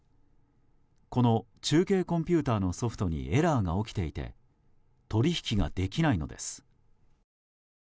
この中継コンピューターのソフトにエラーが起きていて取引ができないのです。